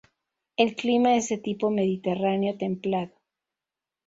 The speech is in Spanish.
El clima es de tipo mediterráneo templado.